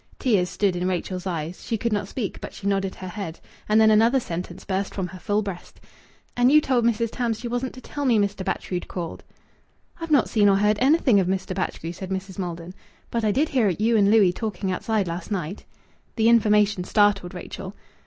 Tears stood in Rachel's eyes. She could not speak, but she nodded her head. And then another sentence burst from her full breast: "And you told Mrs. Tams she wasn't to tell me Mr. Batchgrew'd called!" "I've not seen or heard anything of Mr. Batchgrew," said Mrs. Maldon. "But I did hear you and Louis talking outside last night." The information startled Rachel.